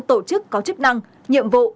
tổ chức có chức năng nhiệm vụ